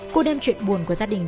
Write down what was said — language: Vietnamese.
cô đem chuyện buồn của gia đình